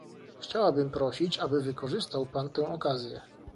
Chciałabym prosić, aby wykorzystał Pan tę okazję